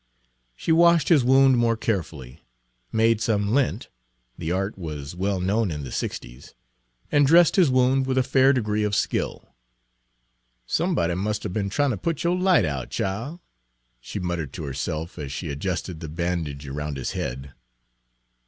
She washed his wound more carefully, made some lint, the art was well known in the sixties, and dressed his wound with a fair degree of skill. "Somebody must 'a' be'n tryin' ter put yo' light out, chile," she muttered to herself as she adjusted the bandage around his head.